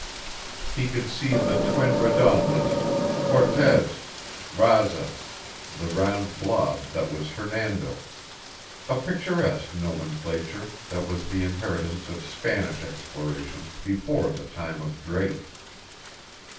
He could see the twin Redondas, Cortez, Raza, the round blob that was Hernando, a picturesque nomenclature that was the inheritance of Spanish exploration before the time of Drake.